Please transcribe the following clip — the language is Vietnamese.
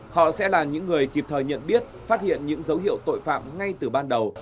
họ sẽ là những người kịp thời nhận biết phát hiện những dấu hiệu tội phạm ngay từ ban đầu